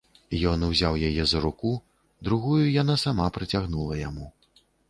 Ён узяў яе за руку, другую яна сама працягнула яму.